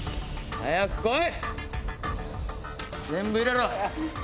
早く来い！